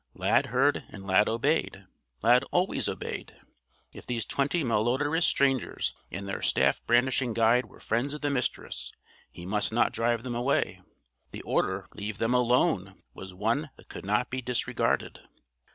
Lad heard, and Lad obeyed. Lad always obeyed. If these twenty malodorous strangers and their staff brandishing guide were friends of the Mistress he must not drive them away. The order "Leave them alone!" was one that could not be disregarded.